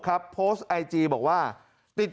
ขอเลื่อนสิ่งที่คุณหนูรู้สึก